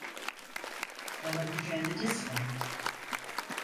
Bana gücendiniz mi?